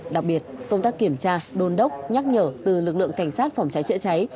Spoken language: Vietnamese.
đặc biệt công tác kiểm tra đôn đốc nhắc nhở từ lực lượng cảnh sát phòng cháy chữa cháy